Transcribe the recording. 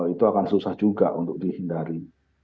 itu akan susah juga untuk dihindari